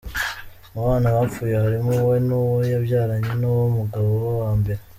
Mu bana bapfuye harimo uwe n’uwo yabyaranye n’uwo mugabo wa mbere.